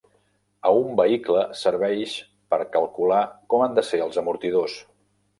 A un vehicle serveix per calcular com han de ser els amortidors.